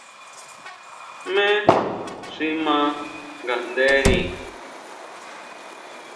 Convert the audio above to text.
¿Jmé xi ʼma nganderi?